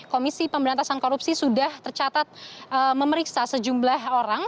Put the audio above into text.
komisi pemberantasan korupsi sudah tercatat memeriksa sejumlah orang